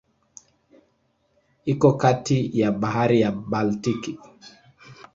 Iko kati ya Bahari ya Baltiki.